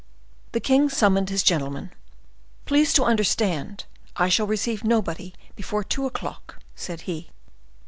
The king summoned his gentleman. "Please to understand I shall receive nobody before two o'clock," said he.